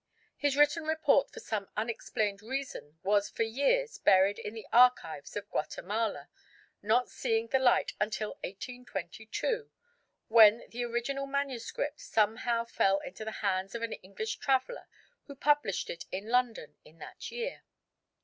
His written report for some unexplained reason was for years buried in the archives of Guatemala, not seeing the light until 1822, when the original MS. somehow fell into the hands of an English traveller who published it in London in that year.